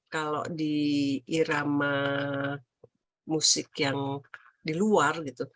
kalau di irama musik yang diluar gitu